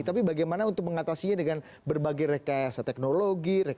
tapi bagaimana untuk mengatasinya dengan berbagai rekayasa teknologi